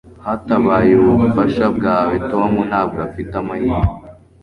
Hatabaye ubufasha bwawe, Tom ntabwo afite amahirwe.